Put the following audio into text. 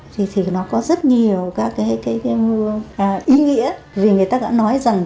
thì thì nó có rất nhiều cái cái cái cái ý nghĩa vì người ta đã nói rằng